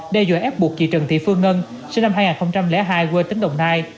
đe dọa ép buộc chị trần thị phương ngân sinh năm hai nghìn hai quê tỉnh đồng nai